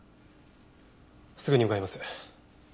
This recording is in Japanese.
すぐに向かいます。